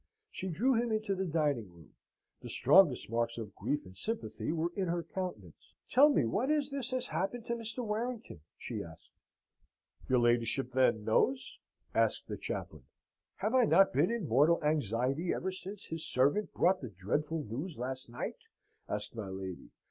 She drew him into the dining room: the strongest marks of grief and sympathy were in her countenance. "Tell me, what is this has happened to Mr. Warrington?" she asked. "Your ladyship, then, knows?" asked the chaplain. "Have I not been in mortal anxiety ever since his servant brought the dreadful news last night?" asked my lady.